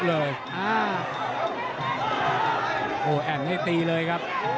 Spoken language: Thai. โอ้โหแอ่งนี่ตีเลยครับ